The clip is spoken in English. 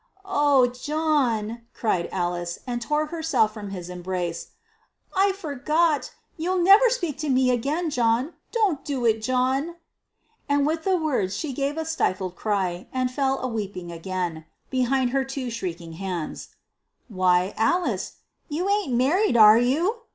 "Oh John!" cried Alice, and tore herself from his embrace, "I forgot! You'll never speak to me again, John! Don't do it, John." And with the words she gave a stifled cry, and fell a weeping again, behind her two shielding hands. "Why, Alice! you ain't married, are you?"